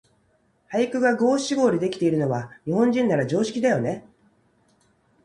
俳句が五七五でできているのは、日本人なら常識だよね。